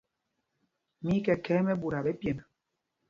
Mí í kɛ khɛ̄ɛ̄ mɛɓuta ɓɛ̌ pyemb.